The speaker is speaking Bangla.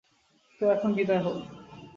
তো, এখন বিদায় হও।